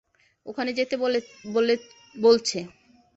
ওখানে যেতে বলছে।